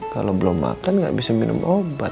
kalau belum makan nggak bisa minum obat